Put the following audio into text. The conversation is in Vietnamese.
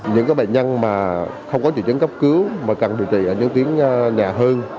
những bệnh nhân không có chủ chứng cấp cứu mà cần điều trị ở những tiến nhà hơn